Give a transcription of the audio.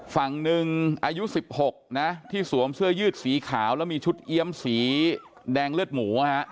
ฝั่งหนึ่งอายุ๑๖นะที่สวมเสื้อยืดสีขาวแล้วมีชุดเอี๊ยมสีแดงเลือดหมู